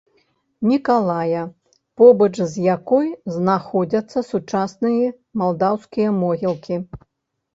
Мікалая, побач з якой знаходзяцца сучасныя малдаўскія могілкі.